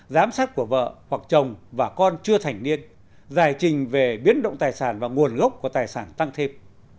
giám sát của vợ hoặc chồng và con chưa thành niên giải trình về biến động tài sản và nguồn gốc của tài sản tăng thêm